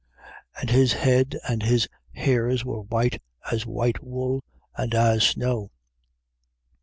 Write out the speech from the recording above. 1:14. And his head and his hairs were white as white wool and as snow.